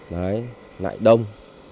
đấy lại đông